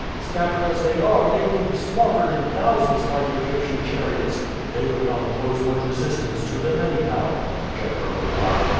Scattered as they are, they will be slaughtered in thousands by the Egyptian chariots." "They could not oppose much resistance to them anyhow," Jethro replied.